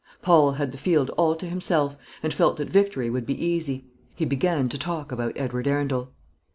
Paul had the field all to himself, and felt that victory would be easy. He began to talk about Edward Arundel.